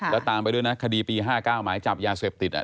แล้วตามไปด้วยนะคดีปี๕๙หมายจับยาเสพติด